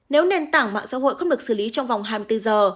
nếu nền tảng mạng xã hội không được xử lý trong vòng hai mươi bốn giờ